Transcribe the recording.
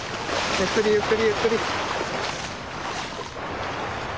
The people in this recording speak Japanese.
ゆっくりゆっくりゆっくり。